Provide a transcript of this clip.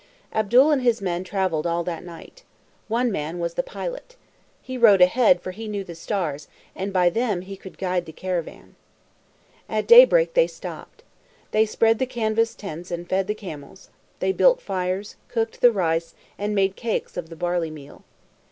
Abdul and his men traveled all that night. One man was the pilot. He rode ahead, for he knew the stars, and by them he could guide the caravan. At daybreak they stopped. They spread the canvas tents and fed the camels. They built fires, cooked the rice, and made cakes of the barley meal.